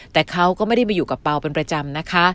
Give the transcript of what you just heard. แต่เขาก็ไม่ได้มาอยู่กับเปล่าเป็นประจำนะคะ